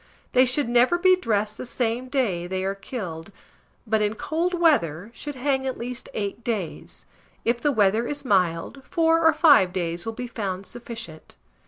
They should never be dressed the same day they are killed; but, in cold weather, should hang at least 8 days; if the weather is mild, 4 or 5 days will be found sufficient.